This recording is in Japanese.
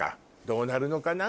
どうなるのかな？